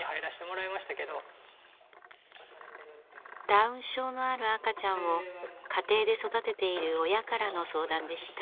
ダウン症のある赤ちゃんを家庭で育てている親からの相談でした。